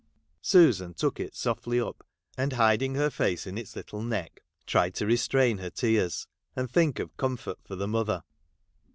Susan took it softly up, and hiding her face in its little neck, tried to restrain her tears, and think of comfort for the mother.